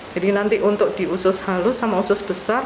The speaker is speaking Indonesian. jadi nanti untuk diusus halus sama usus besar